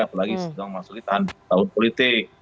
apalagi sedang masuk di tahun politik